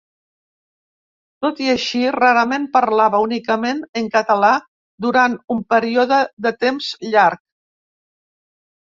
Tot i així, rarament parlava únicament en català durant un període de temps llarg.